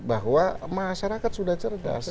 bahwa masyarakat sudah cerdas